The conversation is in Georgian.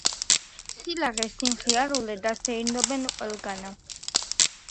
სილაღე, სიმხიარულე დასეირნობენ ყველგანა